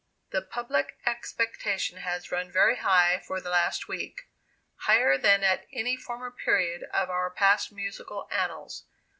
The public expectation has run very high for the last week higher than at any former period of our past musical annals.